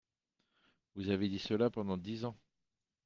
Vous avez dit cela pendant dix ans